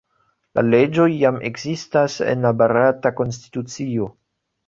La leĝoj jam ekzistas en la barata konstitucio.